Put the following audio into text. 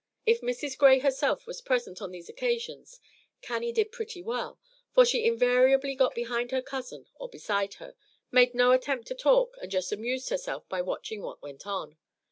If Mrs. Gray herself was present on these occasions, Cannie did pretty well; for she invariably got behind her cousin or beside her, made no attempt to talk, and just amused herself by watching what went on.